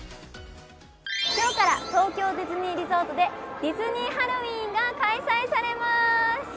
今日から東京ディズニーリゾートでディズにハロウィーンが開催されます！